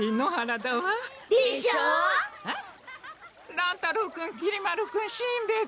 乱太郎君きり丸君しんべヱ君。